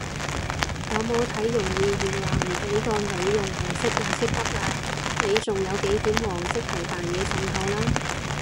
有冇睇容議員話唔畀個女用黃色顏色筆啊？你仲有幾點黃即係扮嘢滲透啦！？